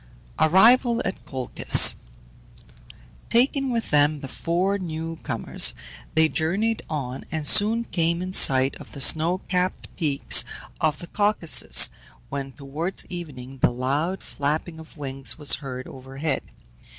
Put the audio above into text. ARRIVAL AT COLCHIS. Taking with them the four new comers they journeyed on, and soon came in sight of the snow capped peaks of the Caucasus, when, towards evening, the loud flapping of wings was heard overhead.